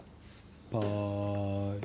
はい。